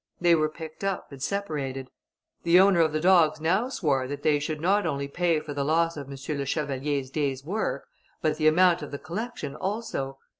They were picked up, and separated. The owner of the dogs now swore that they should not only pay for the loss of M. le Chevalier's day's work, but the amount of the collection also.